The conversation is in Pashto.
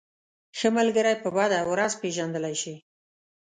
ښه ملگری په بده ورځ پېژندلی شې.